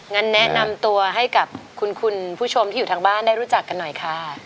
งั้นแนะนำตัวให้กับคุณผู้ชมที่อยู่ทางบ้านได้รู้จักกันหน่อยค่ะ